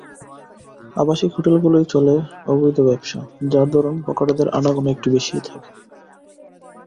আবাসিক হোটেলগুলোয় চলে অবৈধ ব্যবসা, যার দরুণ বখাটেদের আনাগোনা একটু বেশিই থাকে।